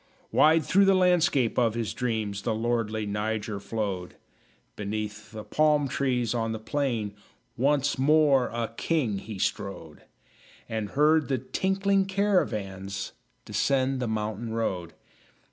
Wide through the landscape of his dreams The lordly Niger flowed; Beneath the palm trees on the plain Once more a king he strode; And heard the tinkling caravans Descend the mountain road.